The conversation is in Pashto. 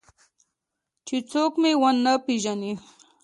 چې څوک به مې ونه پېژني.